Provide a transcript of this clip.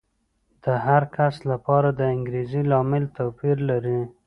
د هر کس لپاره د انګېزې لامل توپیر لري.